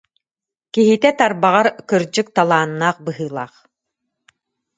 Киһитэ тарбаҕар, кырдьык, талааннаах быһыылаах.